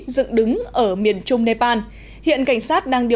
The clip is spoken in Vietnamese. dựng đứng ở miền trung nepal